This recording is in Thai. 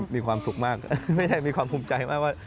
มีความสุขมากไม่ใช่มีความภูมิใจมากว่า